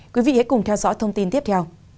quý vị hãy cùng theo dõi thông tin tiếp theo